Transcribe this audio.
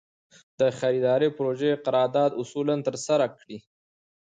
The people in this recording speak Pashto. د خریدارۍ پروژې قرارداد اصولاً ترسره کړي.